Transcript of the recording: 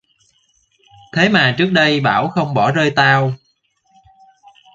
thế mà trước đây bảo không bỏ rơi tao